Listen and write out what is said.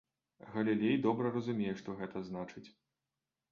Галілей добра разумее, што гэта значыць.